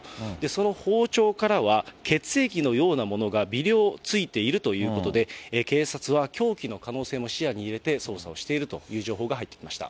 その包丁からは、血液のようなものが微量ついているということで、警察は凶器の可能性も視野に入れて捜査をしているという情報が入ってきました。